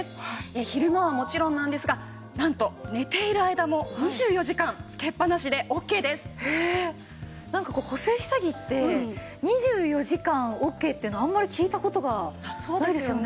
昼間はもちろんなんですがなんとなんかこう補整下着って２４時間オーケーっていうのあんまり聞いた事がないですよね。